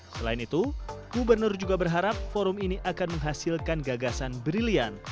selain itu gubernur juga berharap forum ini akan menghasilkan gagasan brilian